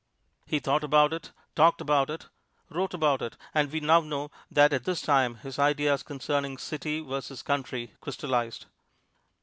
He thought about it, talked about it, wrote about it, and we now know that at this time his ideas concerning city versus country crystallized.